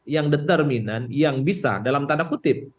yang determinan yang bisa dalam tanda kutip